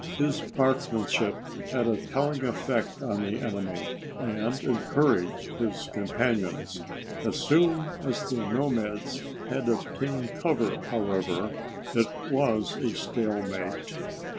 His marksmanship had a telling effect on the enemy, and encouraged his companions. As soon as the nomads had obtained cover however, it was a stalemate.